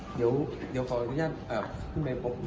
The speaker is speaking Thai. สวัสดีครับพี่บ๊อยพี่บ๊อยอยากจะชี้แจงอะไรหน่อยไหมคะ